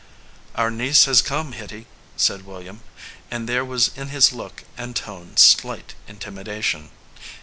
"Our niece has come, Hitty," said William, and there was in his look and tone slight intimidation.